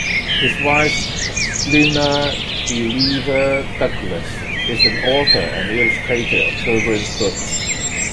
His wife, Nina Ilieva Douglas, is an author and illustrator of children's books.